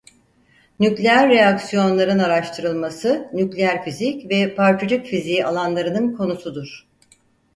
Nükleer reaksiyonların araştırılması nükleer fizik ve parçacık fiziği alanlarının konusudur.